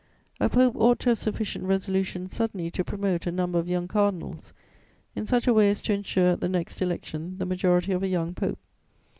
A pope ought to have sufficient resolution suddenly to promote a number of young cardinals, in such a way as to ensure at the next election the majority of a young pope.